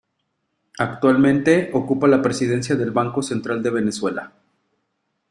Actualmente ocupa la presidencia del Banco Central de Venezuela.